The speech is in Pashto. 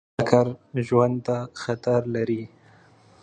ټکر ژوند ته خطر لري.